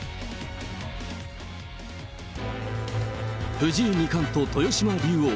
藤井二冠と豊島竜王。